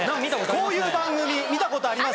こういう番組見たことあります。